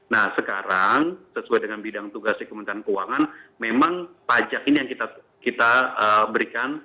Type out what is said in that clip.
nah sekarang sesuai dengan bidang tugas di kementerian keuangan memang pajak ini yang kita berikan